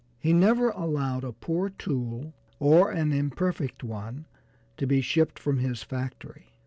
He never allowed a poor tool, or an imperfect one, to be shipped from his factory.